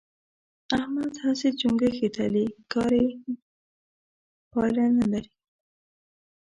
احمد هسې چنګوښې تلي؛ کار يې پايله نه لري.